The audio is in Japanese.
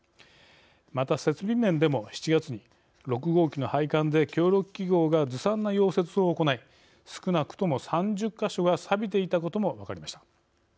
また、設備面でも７月に６号機の配管で協力企業がずさんな溶接を行い少なくとも３０か所がさびていたことも分かりました。